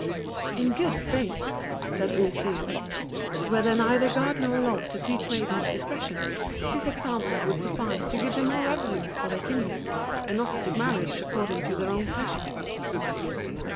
"In good faith," said Oisille, "were there neither God nor law to teach maidens discretion, this example would suffice to give them more reverence for their kindred, and not to seek marriage according to their own pleasure."